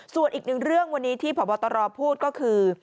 ส่วนอีกหนึ่งเรื่องวันนี้ที่พบตรพูดก็คือ